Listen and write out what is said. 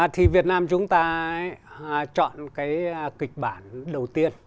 thì việt nam chúng ta chọn cái kịch bản đầu tiên